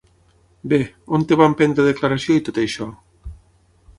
Bé, on et van prendre declaració i tot això?